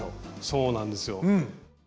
そうなんですよ。